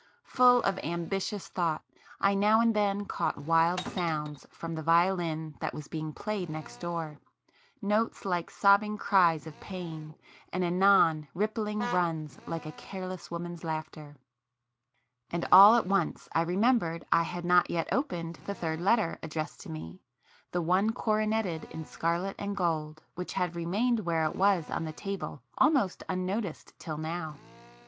[p 15]Full of ambitious thought, I now and then caught wild sounds from the violin that was being played next door,—notes like sobbing cries of pain, and anon rippling runs like a careless woman's laughter,—and all at once I remembered I had not yet opened the third letter addressed to me,—the one coroneted in scarlet and gold, which had remained where it was on the table almost unnoticed till now.